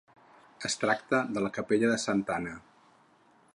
Es tracta de la capella de santa Anna.